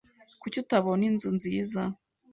Kuki utabona inzu nziza?